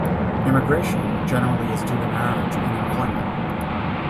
Immigration, generally, is due to marriage and employment.